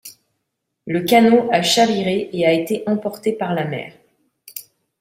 Le canot a chaviré et a été emporté par la mer.